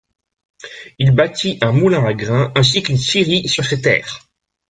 Il bâtit un moulin à grain ainsi qu'une scierie sur ses terres.